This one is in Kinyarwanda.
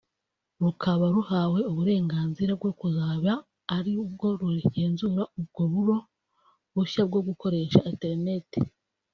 rukaba ruhawe uburenganzira bwo kuzaba ari rwo rugenzura ubwo buro bushya bwo gukoresha Internet